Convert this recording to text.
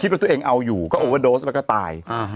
คิดว่าตัวเองเอาอยู่ก็โอเวอดโดสแล้วก็ตายอ่า